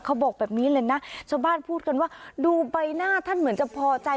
เขาบอกแบบนี้เลยนะชาวบ้านพูดกันว่าดูใบหน้าท่านเหมือนจะพอใจ